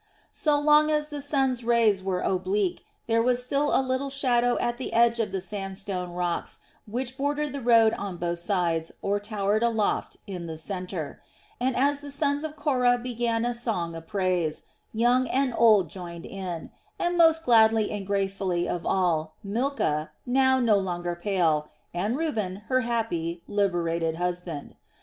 So long as the sun's rays were oblique, there was still a little shade at the edge of the sandstone rocks which bordered the road on both sides or towered aloft in the center; and as the sons of Korah began a song of praise, young and old joined in, and most gladly and gratefully of all Milcah, now no longer pale, and Reuben, her happy, liberated husband.